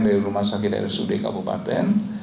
dari rumah sakit rsud kabupaten